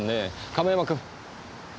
亀山君。